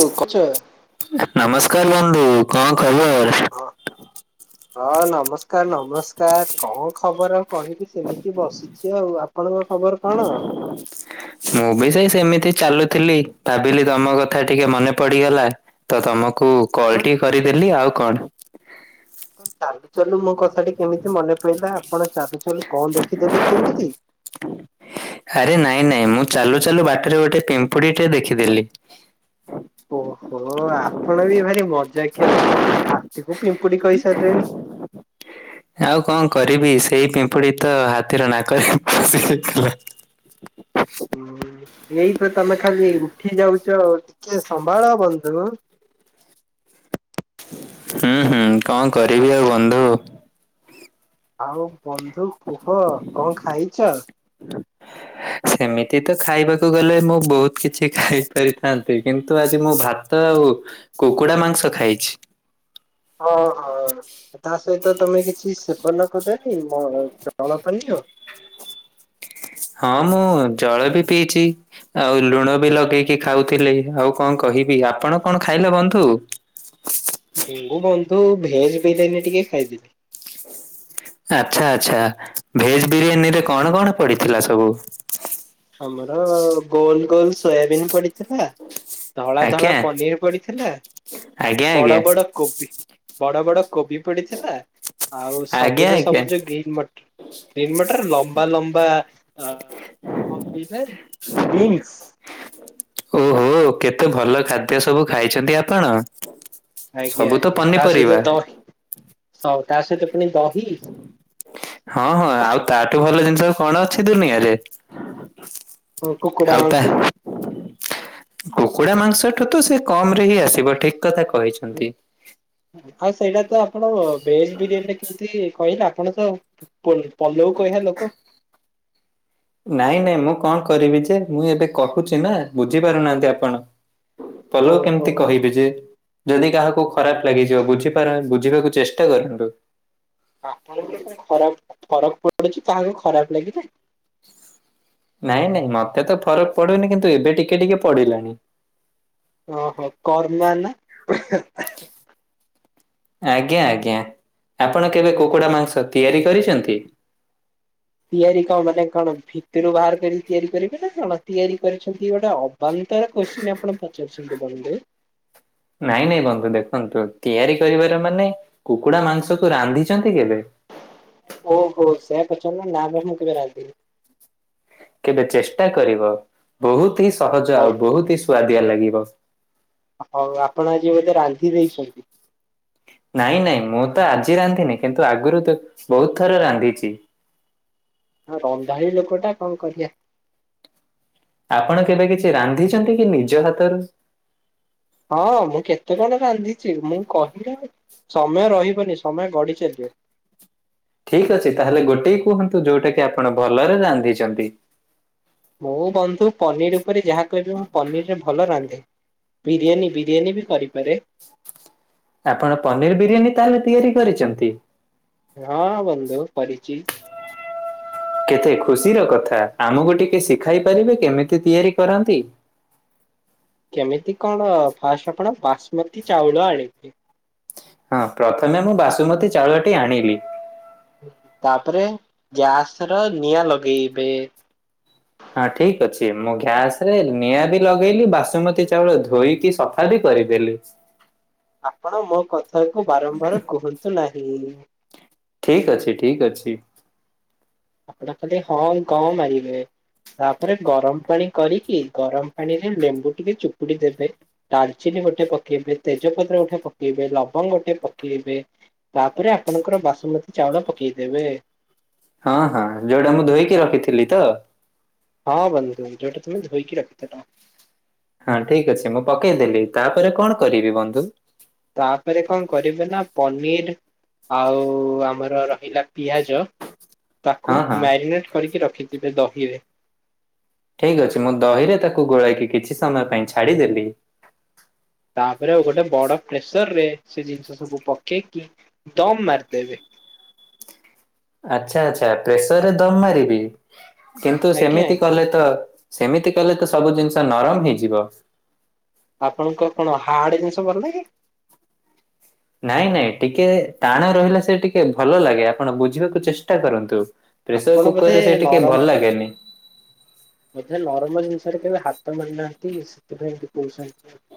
ଓ କରୁଛ? ନମସ୍କାର ବନ୍ଧୁ କଣ ଖବର? ହଁ ହଁ ନମସ୍କାର ନମସ୍କାର କଣ ଖବର ଆଉ କହିବି ସେମିତି ବସି ଛି ଆଉ ଆପଣଙ୍କ ଖବର କଣ? ମୁଁ ବି ସେଇ ସେମିତି ଚାଲୁଥିଲି ଭାବିଲି ତମ କଥା ଟିକେ ମନେ ପଡିଗଲା। ତ ତମକୁ କଣ କଲ ଟି କରିଦେଲି ଆଉ କଣ? ଚାଲୁଚାଲୁ ମୋ କଥାଟି କେମିତି ମନେ ପଡିଲା ଆପଣ ଚାଲୁଚାଲୁ କଣ ଦେଖିଦେଲେ କି ଏ? ଆରେ ନାଇଁ ନାଇଁ ମୁଁ ଚାଲୁ ଚାଲୁ ବାଟରେ ଗୋଟେ ପିମ୍ପୁଡ଼ି ଟେ ଦେଖିଦେଲି। ଓହୋ ଆପଣ ବି ଭାରି ମଜାକିଆ ଲୋକଟିଏ ହାତୀକୁ ପିମ୍ପୁଡ଼ି କହିସାରିଲେଣି। ଆଉ କଣ କରିବି ସେଇ ପିମ୍ପୁଡି ତ ହାତୀର ନାକରେ ପଶିଯାଇଥିଲା। ହୁଁ ଏଇ ତ ତମେ ଖାଲି ଉଠି ଯାଉଚ ଆଉ ଟିକେ ସମ୍ଭାଳ ବନ୍ଧୁ। ହୁଁ ହୁଁ କଣ କରିବି ଆଉ ବନ୍ଧୁ। ଆଉ ବନ୍ଧୁ କୁହ କଣ ଖାଇଚ? [inaudible] ସେମିତି ତ ଖାଇବାକୁ ଗଲେ ମୁଁ ବୋହୁତ କିଛି ଖାଇ ପାରିଥାନ୍ତି କିନ୍ତୁ ଆଜି ମୁଁ ଭା ତ ଆଉ କୁକୁଡା ମାଂସ ଖାଇଚି। ହଁ ହଁ ତା ସହିତ ତମେ କିଛି ସେବନ କରି [unintelligible] ଜଳପାନୀୟ। ହଁ ମୁଁ ଜଳ ବି ପିଇଚି। ଆଉ ଲୁଣ ବି ଲଗେଇକି ଖାଉଥିଲେ ଆଉ କଣ କହିବି। ଆପଣ କଣ ଖାଇଲ ବନ୍ଧୁ? ମୁୁଁ ବନ୍ଧୁ ଭେଜବିରିୟାନି ଟିକେ ଖାଇଥିଲି। ଆଚ୍ଛା ଆଚ୍ଛା ଭେଜ୍ ବିରିୟାନୀରେ କଣ କଣ ପଡିଥିଲା ସବୁ? ଆମର ଗୋଲ ଗୋଲ ସୋୟାବିନ୍ ପଡିଥିଲା। ଧଳା ଧଳା ଆଜ୍ଞା ପନିର ପଡିଥିଲା। ଆଜ୍ଞା ଆଜ୍ଞା ବଡ ବଡ କୋବି ବଡ ବଡ କୋବି ପଡିଥିଲା। ଆଉ ଆଜ୍ଞା ସବୁଜ ଆଜ୍ଞା। ସବୁଜ ଗ୍ରୀନ୍ ମଟର ଗ୍ରୀନ୍ ମଟର ଲମ୍ବା ଲମ୍ବା [unintelligible] ବିନ୍ସ। ଓହୋ କେତେ ଭଲ ଖାଦ୍ୟ ସବୁ ଖାଇଚନ୍ତି ଆପଣ। ଆଜ୍ଞା ସବୁ ତ ପନିପରିବା। ସ ତା ସହିତ ପୁଣି ଦହି। ହଁ ହଁ ଆଉ ତାଠୁ ଭଲ ଜିନିଷ କଣ ଅଛି ଦୁନିଆରେ। କୁକୁଡା ଆଉ ମାଂସ ତାହା--‌ କୁକୁଡା ମାଂସଠୁ ତ ସେ କମ୍ ରେ ହିଁ ଆସିବ ଠିକ୍ କଥା କହି ଉଁ ଭାଇ ସେଇଟା ତ ଆପଣ ଭେଜ୍ ବିରିୟାନୀରେ କେମିତି କହିଲ ଆପଣ ତ ପଲ-ପଲଉ କହିବା ଲୋକ। ନାଇଁ ନାଇଁ ମୁଁ କଣ କରିବି ଯେ ମୁଁ ଏବେ କହୁଚି ନା ବୁଝିପାରୁନାହାନ୍ତି ଆପଣ। ପଲଉ କେମିତି ଓହୋ। କହିବି ଯେ। ଯଦି କାହାକୁ ଖରାପ ଲାଗିଯିବ ବୁଝିପାର ବୁଝିବାକୁ ଚେଷ୍ଟା କରନ୍ତୁ। ଆପଣଙ୍କୁ ଫୁଣି ଖରାପ ଫରକ ପଡୁଚି କାହାକୁ ଖରାପ ଲାଗିଲେ। ନାଇଁ ନାଇଁ ମତେ ତ ଫରକ୍ ପଡୁନି କିନ୍ତୁ ଏବେ ଟିକେ ଟିକେ ପଡିଲାଣି। ଓହୋ କରୁନା ନା। [unintelligible] ଆଜ୍ଞା ଆଜ୍ଞା ଆପଣ କେବେ ହୁଁ କୁକୁଡା ମାଂସ ତିଆରି କରିଚନ୍ତି? ତିଆରି କଣ, ମାନେ କଣ, ଭିତରୁ ବାହାର କରିକି ତିଆରି କରିବେ ନା କଣ ତିଆରି କରିଛନ୍ତି ଗୋଟେ ଅ ବାନ୍ତର କୋଶ୍ଚିନ୍ ଆପଣ ପଚାରୁଚନ୍ତି ବନ୍ଧୁ। ନାଇଁ ନାଇଁ ବନ୍ଧୁ ଦେଖନ୍ତୁ ତିଆରି କରିବାର ମାନେ କୁକୁଡା ମାଂସକୁ ରାନ୍ଧିଛନ୍ତି କେବେ? ଓହୋ ସେୟା ପଚାରୁନ। ନାଁ ବେବି [unintelligible] ମୁଁ କେବେ ରାନ୍ଧିନି। କେବେ ଚେଷ୍ଟା କରିବ ବୋହୁତ ହି ସହଜ ହଉ ଆଉ ବୋହୁତ ହି ସୁଆଦିଆ ଲାଗିବ। ହୋଉ ଆପଣ ଆଜି ବୋଧେ ରାନ୍ଧି ଦେଇଚନ୍ତି? ନାଇଁ, ନାଇଁ ମୁଁ ତ ଆଜି ରାନ୍ଧିନି କିନ୍ତୁ ଆଗରୁ ତ ବୋହୁତ ଥର ରାନ୍ଧିଚି। ହଁ ରନ୍ଧାଳି ଲୋକଟା କଣ କରିବା। ଆପଣ କେବେ କିଛି ରାନ୍ଧିଚନ୍ତି କି ନିଜ ହାତରୁ? ହଁ ମୁଁ କେତେ କଣ ରାନ୍ଧିଚି। ମୁଁ କହିଲେ ଆଉ ସମୟ ରହିବନି ସମୟ ଗଡି ଚାଲିିବ। ଠିକ୍ ଅଛି ତାହେଲେ ଗୋଟିଏ କୁହନ୍ତୁ ଯୋଉଟା କି ଆପଣ ଭଲରେ ରାନ୍ଧିଚନ୍ତି। ମୁଁ ବନ୍ଧୁ ପନିର ଉପରେ ଯାହା କହିବେ। ମୁଁ ପନିରରେ ଭଲ ରାନ୍ଧେ। ବିରିୟାନୀ, ବିରିୟାନୀ ବି କରିପାରେ। ଆପଣ ପନିର ବିରିୟାନୀ ତାହେଲେ ତିଆରି କରିଚନ୍ତି? ହଁ ବନ୍ଧୁ କରିଚି। କେତେ ଖୁସିର କଥା ଆମକୁ ଟିକେ ଶିଖାଇ ପାରିବେ କେମିତି ତିଆରି କରନ୍ତି? କେମିତି କଣ ଫାଷ୍ଟ ଆପଣ ବାସୁମତୀ ଚାଉଳ ଆଣିବେ। ହଁ ପ୍ରଥମେ ମୁଁ ବାସୁମତୀ ଚାଉଳଟି ଆଣିବି। ତାପରେ ଗ୍ୟାସରେ ନିଆଁ ଲଗେଇବେ। ହଁ ଠିକ୍ ଅଛି, ମୁଁ ଗ୍ୟାସରେ ନିଆଁ ବି ଲଗେଇଲି, ବାସୁମତୀ ଚାଉଳ ଧୋଇକି ସଫ୍ ଫା ବି କରିଦେଲୁ। ଆପଣ ମୋ କଥାକୁ ବାରମ୍ବାର କୁହନ୍ତୁ ନାହିଁ। ଠିକ୍ ଅଛି-ଠିକ୍ ଅଛି। ଆପଣ ଖାଲି ହଁ କଁ ମାରିବେ। ତାପରେ, ଗରମ ପାଣି କରିକି, ଗରମ ପାଣିରେ ଲେମ୍ବୁ ଟିକେ ଚୁପୁଡି ଦେବେ। ଡାଲଚିନି ଗୋଟେ ପକେଇବେ, ତେଜପତ୍ର ଗୋଟେ ପକେଇବେ, ଲବଙ୍ଗ ଗୋଟେ ପକେଇବେ। ତାପରେ ଆପଣଙ୍କର ବାସୁମତୀ ଚାଉଳ ପକେଇ ଦେବେ। ହଁ-ହଁ ଯୋଉଟା ମୁଁ ଧୋଇକି ରଖିଥିଲି ତ? ହଁ ବନ୍ଧୁ ତୁମେ, ଯୋଉଟା ତୁମେ ଧୋଇକି ରଖିଥିଲ। ହଁ ଠିକ୍ ଅଛି ମୁଁ ପକେଇଦେଲି, ତାପରେ କଣ କରିବି ବନ୍ଧୁ? ତାପରେ କଣ କରିବେ ନା ପନିର ଆଉ-ଉ-ଉ-ଉ ଆମର ରହିଲା ପିଆଜ ତାକୁ ହଁ ହଁ ମ୍ୟାରିନେଟ଼ କରିକି ରଖିଥିବେ ଦହିରେ। ଠିକ୍ ଅଛି ମୁଁ ଦହିରେ ତାକୁ ଗୋଳାଇକି କିଛି ସମୟ ପାଇଁ ଛାଡ଼ିଦେଲି। ତାପରେ ଗୋଟେ ବଡ ପ୍ରେସରରେ ସେ ଜିନିଷ ସବୁ ପକେଇକି ଦମ୍ ମାରିଦେବେ। ଆଚ୍ଛା-ଆଚ୍ଛା ପ୍ରେସରରେ ଦମ ମାରିବି, କିନ୍ତୁ ଆଜ୍ଞା ସେମିତି ଆଜ୍ଞା କଲେ ତ ସେମିତି କଲେ ତ ସବୁ ଜିନିଷ ନରମ ହେଇଯିବ? ଆପଣଙ୍କୁ କଣ ହାର୍ଡ ଜିନିଷ ଭଲଲାଗେ? ନାଇଁ-ନାଇଁ ଟିକେ ଟାଣ ରହିଲେ ସେ ଟିକେ ଭଲ ଲାଗେ ଆପଣ ବୁଝିବାକୁ ଚେଷ୍ଟା କରନ୍ତୁ। ପ୍ରେସର ଆପଣ ବୋଧେ କୁକରରେ ସେ ଟିକେ ନରମ ଭଲ ଲାଗେନି। ବୋଧେ ନରମ ଜିନିଷରେ କେବେ ହାତ ମାରିନାହାନ୍ତି ସେଥିପାଇଁ ଏମିତି କହୁଛନ୍ତି ଆଉ।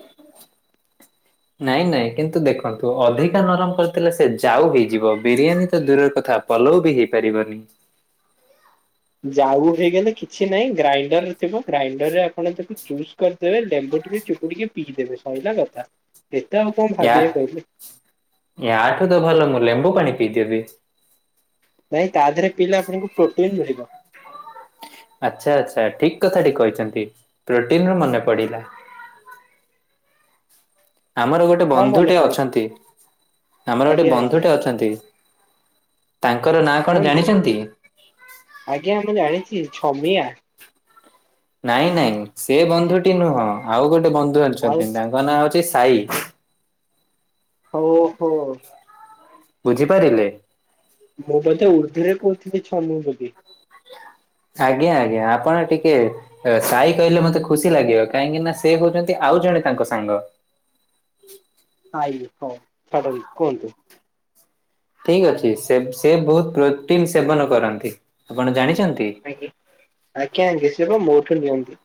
ନାଇଁ-ନାଇଁ, କିନ୍ତୁ ଦେଖନ୍ତୁ ଅଧିକା ନରମ କରିଥିଲେ ସେ ଜାଉ ହେଇଯିବ, ବିରିୟାନୀ ତ ଦୂରର କଥା। ପଲଉ ବି ହେଇପାରିବନି। ଜାଉ ହେଇଗଲେ କିଛି ନାହିଁ ଗ୍ରାଇଣ୍ଡର ଥିବ, ଗ୍ରାଇଣ୍ଡରରେ ଆପଣ ତାକୁ ଜୁସ୍ କରିଦେବେ, ଲେମ୍ବୁ ଟିକେ ଚିପୁଡ଼ିକି ପିଇଦେବେ ସଇଲା କଥା, ଏତେ ଆଉ କଣ ଭାବିବେ ୟା କହିଲେ? ୟାଠୁ ତ ଭଲ ମୁଁ ଲେମ୍ବୁ ପାଣି ପିଇଦେବି। ନାଇଁ ତା ଦେହରେ ପିଇଲେ ଆପଣଙ୍କୁ ପ୍ରୋଟିନ ମିଳିବ। ଆଚ୍ଛା-ଆଚ୍ଛା ଠିକ୍ କଥାଟି କହିଛନ୍ତି, ପ୍ରୋଟିନରୁ ମନେ ପଡିଲା। ଆମର ଗୋଟେ କଣ ମନେ ବନ୍ଧୁଟେ ପଡିଲା ଅଛନ୍ତି, ଆମର ଗୋଟେ ଆଜ୍ଞା ଆଜ୍ଞା ବନ୍ଧୁଟେ ଅଛନ୍ତି। ତାଙ୍କର ନାଆଁ କଣ କୁହନ୍ତୁ ଜାଣିଛନ୍ତି? ଆଜ୍ଞା ମୁଁ ଜାଣିଛି ଛମିଆ। ନାଇଁ-ନାଇଁ ସେ ବନ୍ଧୁଟି ନୁହଁ, ଆଉ ଗୋଟେ ବନ୍ଧୁ ଆଉ ଅଛନ୍ତି, ତାଙ୍କ ନାଆଁ ହଉଛି ସାଇ। ଓ ହୋ। ବୁଝିପାରିଲେ? ମୁଁ ବୋଧେ ଉର୍ଦ୍ଦୁରେ କହୁଥିଲି ଛନୁ ବୋଲି। ଆଜ୍ଞା-ଆଜ୍ଞା ଆପଣ ଟିକେ ଏ ସାଇ କହିଲେ ମତେ ଖୁସି ଲାଗିବ କାହିଁକି ନା ସେ ହଉଛନ୍ତି ଆଉ ଜଣେ ତାଙ୍କ ସାଙ୍ଗ। ଆଜ୍ଞେ ହଉ, ଛାଡନ୍ତୁ କୁହନ୍ତୁ। ଠିକ୍ ଅଛି ସେ-ସେ ବହୁତ ପ୍ରୋଟିନ୍ ସେବନ କରନ୍ତି ଆପଣ ଜାଣିଛନ୍ତି? ଆଜ୍ଞା, ଆଜ୍ଞା-ଆଜ୍ଞା ସେ ପା ମୋଠୁ ନିଅନ୍ତି।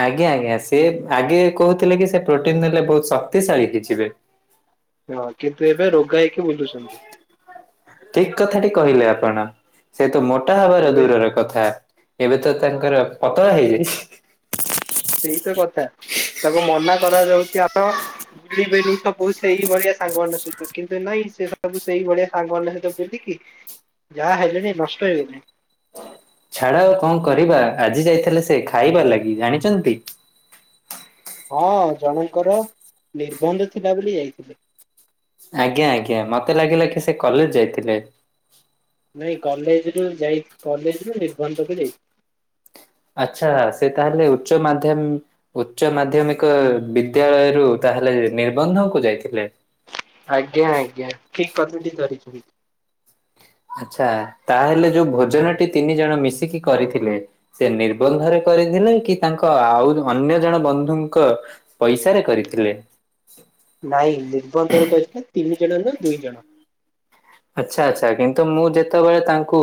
ଆଜ୍ଞା-ଆଜ୍ଞା ସେ ଆଗେ କହୁଥିଲେ କି ସେ ପ୍ରୋଟିନ ଦେଲେ ବହୁତ୍ ଶକ୍ତିଶାଳୀ ହେଇ ଯିବେ, ହଁ କିନ୍ତୁ ଏବେ ରୋଗ ହେଇକି ବୁଲୁଛନ୍ତି, ଠିକ୍ କଥାଟି କହିଲେ ଆପଣ, ସେ ତ ମୋଟା ହବାର ଏବେ ଦୂରର କଥା ଏବେ ତ ତାଙ୍କର ପତଳା ହେଇଯାଇଛି, ସେଇତ କଥା ତାକୁ ମନା କରାଯାଉଛି ଆପଣ ବୁଳିବେନି ସ ବହୁ ସେଇ ଭଳିଆ ସାଙ୍ଗମାନ ସେହି, ତ କିନ୍ତୁ ନାଇଁ ସେ ସବୁ ସେଇ ଭଳିଆ ସାଙ୍ଗମାନ ସହିତ ବୁଧ କିି ଯାହା ହେଲେଣି ନଷ୍ଟ ହେଇଗଲେଣି, ଛାଡ଼ା ଆଉ କଁ କରିବା ଆଜି ଯାଇଥିଲେ ସେ ଖାଇବ ଲାଗି ଜାଣିଛନ୍ତି, ହଁ ଜଣଙ୍କର ନିର୍ବନ୍ଧ ଥିଲା ବୋଲି ଯାଇଥିଲେ, ଆଜ୍ଞା-ଆଜ୍ଞା ମତେ ଲାଗିଲା କି ସେ କଲେଜ୍ ଯାଇଥିଲେ, ନାଇଁ କଲେଜ ରୁ ଯାଇ କଲେଜରୁୁ ନିର୍ବନ୍ଧକୁ ଯାଇ, ଆଚ୍ଛା ସେ ତାହେଲେ ଉଚ୍ଚ ମାଧ୍ୟମି, ଉଚ୍ଚ ମାଧ୍ୟମିକ ବିଦ୍ୟାଳୟରୁୁ ତାହେଲେ ନିର୍ବନ୍ଧକୁ ଯାଇଥିଲେ? ଆଜ୍ଞା-, ଆଜ୍ଞା ଠିକ୍ କଥା ଠିକ୍ ଧରିଛନ୍ତି, ଆଚ୍ଛା ତାହେଲେ ଯୋଉ ଭୋଜନଟି ତିନି ଜଣ ମିଶିକି କରିଥିଲେ, ସେ ନିର୍ବନ୍ଧରେ କରିଥିଲେ କି ତାଙ୍କ ଆଉ ଅନ୍ୟ ଜଣ ବନ୍ଧୁଙ୍କ, ପଇସାରେ କରିଥିଲେ, ନାଇଁ ନିର୍ବନ୍ଧରେ ହେ ତିନି ଜଣ ନା ଦୁଇ ଜଣ, ଆଚ୍ଛ ଆଚ୍ଛା କିନ୍ତୁ ମୁଁ ଯେତେବେଳେ ତାଙ୍କୁ,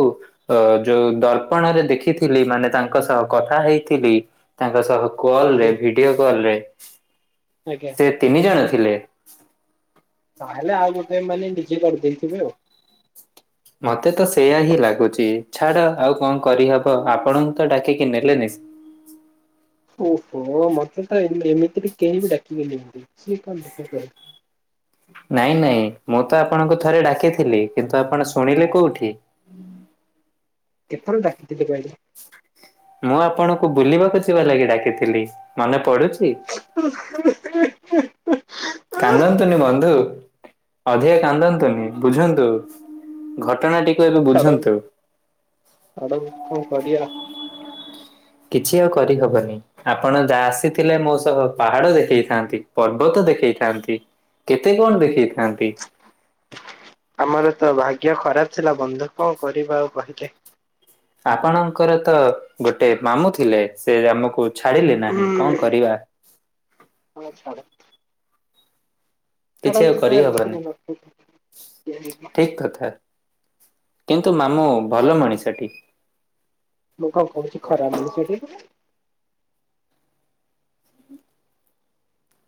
ଅ ଯୋଉ ଦର୍ପଣରେ ଦେଖିଥିଲି ମାନେ ତାଙ୍କ ସହ କଥା ହେଇଥିଲି, ତାଙ୍କ ସହ କଲରେ ଭିଡିଓ କଲ ରେ, ଦେକ୍ଷିବା, ଏ ତିନି ଜଣ ଥିଲେ, ତାହେଲେ ଆଉ ଗୋଟେ ମାନେ ନିଜେ କରିଦେଇଥିବେ ଆଉ, ମତେ ତ ସେୟା ହିଁ ଲାଗୁଛି ଛାଡ ଆଉ କଣ କରିହବ ଆପଣଙ୍କୁ ତ ଡାକିକି ନେଲେନି ଇସ୍ ଓହୋ ମୋତେ ଟା ଏମ୍ ଏମିତିରେ କେହି ବି ଡାକିଗଲେ ଏମିତି [unintelligible] ନାଇଁ-ନାଇଁ ମୁଁ ତ ଆପଣଙ୍କୁ ଥରେ ଡାକିଥିଲି କିନ୍ତୁ ଆପଣ ଶୁଣିଲେ କୋଉଠି, କେତଥର ଡାକିଥିଲେ କହିଲେ? ମୁଁ ଆପଣଙ୍କୁ ବୁଲିବାକୁ ଯିବା ଲାଗି ଡାକିଥିଲି ମନେ ପଡ଼ୁଛି? [unintelligible] ହୁଁ-ହୁଁ, କାନ୍ଦନ୍ତୁନି ବନ୍ଧୁ, ଅଧିକା କାନ୍ଦନ୍ତୁନି ବୁଝନ୍ତୁ ଘଟଣାଟିକୁ ଏବେ ବୁଝନ୍ତୁ, ଆଡୁ କଁ କରିବା? କିଛି ଆଉ କରିହବନି, ଆପଣ ଯାହା ଆସିଥିଲେ ମୋ ସହ ପାହାଡ଼ ଦେଖେଇଥାନ୍ତି ପର୍ବତ ଦେଖେଇଥାନ୍ତି, କେତେ କଣ ଦେଖେଇଥାନ୍ତି, ଆମର ତ ଭାଗ୍ୟ ଖରାପ ଥିଲା ବନ୍ଧୁ କଁ କରିବା ଆଉ କହିଲେ, ଆପଣଙ୍କର ତ ଗୋଟେ ମାମୁଁ ଥିଲେ ସେ ଆମକୁ ଛାଡ଼ିଲେ ନାହିଁ କଁ କରିବା, ନ ଛଳା, କିଛି ଆଉ ଛାଡନ୍ତୁ ତା ବିଷୟରେ କରିହବନି ନ ଠିକ୍ କଥା, କିନ୍ତୁ ମାମୁଁ ଭଲ ମଣିଷଟି, ମୁଁ କଣ କହୁଛି ଖରାବୋଲି ସେଠି [unintelligible]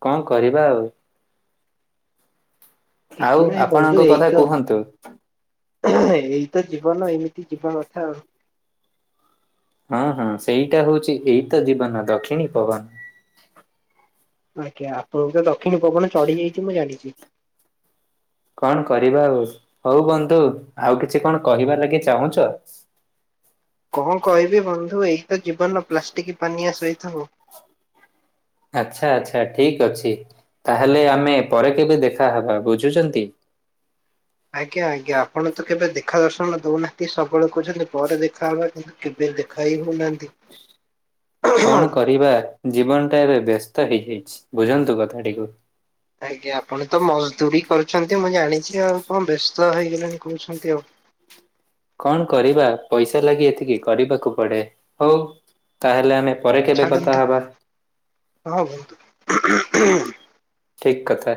କଣ କରିବା ଆଉ, କିଛି ଆଉ ନାହିଁ ଆପଣଙ୍କ କଥା କୁହନ୍ତୁ? ଏଇ ତ ଜୀବନ ଏମିତି ଯିବା କଥା ଆଉ। ହଁ ହଁ ସେଇଟା ହଉଛି ଏଇତ ଜୀବନ ଦକ୍ଷିଣୀ ପବନ। ଆଜ୍ଞା ଆପଣଙ୍କୁ ତ ଦକ୍ଷିଣ ପବନ ଚଢି ଯାଇଛି ମୁଁ ଜାଣିଛି। କଣ କରିବା ଆଉ ହଉ ବନ୍ଧୁ ଆଉ କିଛି କଣ କହିବାର ଲାଗି ଚାହୁଁଛ? କଣ କହିବି ବନ୍ଧୁ ଏଇ ତ ଜୀବନ ପ୍ଲାଷ୍ଟିକ୍ ପାନିଆ ସହିତ ଉ। ଆଚ୍ଛା ଆଚ୍ଛା ଠିକ୍ ଅଛି ତାହେଲେ ଆମେ ପରେ କେବେ ଦେଖାହବା ବୁଝୁଛନ୍ତି। ଆଜ୍ଞା ଆଜ୍ଞା ଆପଣ ତ କେବେ ଦେଖା ଦର୍ଶନ ଦଉନାହାନ୍ତି ସବୁବେଳେ କହୁଛନ୍ତି ପରେ ଦେଖାହବା କି କେବେ ଦେଖା ହି କରୁନାହାନ୍ତି। [inaudible] କଣ କରିବା ଜୀବନ ଟା ଏବେ ବ୍ୟସ୍ତ ହେଇଯାଇଛି ବୁଝନ୍ତୁ କଥାଟିକୁ। ଆଜ୍ଞା ଆପଣ ତ ମଜଦୁରୀ କରୁଛନ୍ତି ମୁଁ ଜାଣିଛି ଆଉ କଣ ବ୍ୟସ୍ତ ହେଇଗଲେଣି କହୁଛନ୍ତି ଆଉ। କଣ କରିବା ପଇସା ଲାଗି ଏତିକି କରିବାକୁ ପଡେ ହଉ ତାହେଲେ ଆମେ। ପରେ କେବେ କଥା ଛାଟନ୍ତୁ ହବା ହଁ ବହୁତୁ। ଠିକ୍ କଥା।